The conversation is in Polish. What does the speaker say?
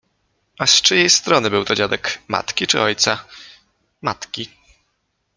”— Az czyjej strony był to dziadek: matki czy ojca? — Matki.